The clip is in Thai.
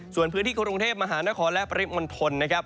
ส่วนพื้นที่กรุงเทพมหานครและปริมณฑลนะครับ